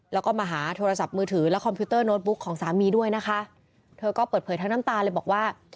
แล้วก็มาหาโทรศัพท์มือถือและคอมพิวเตอร์โน้ตบุ๊กของสามีด้วยนะคะ